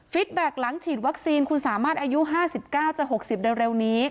แบ็คหลังฉีดวัคซีนคุณสามารถอายุ๕๙จะ๖๐เร็วนี้